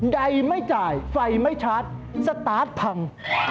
ใดไม่จ่ายไฟไม่ชาร์จสตาร์ทพัง